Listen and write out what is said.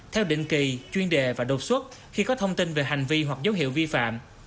theo định kỳ chuyên đề và đột xuất khi có thông tin về hành vi hoặc dấu hiệu vi phạm